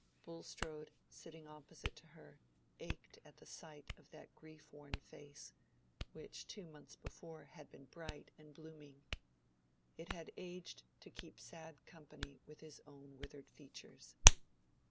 Bulstrode, sitting opposite to her, ached at the sight of that grief worn face, which two months before had been bright and blooming. It had aged to keep sad company with his own withered features.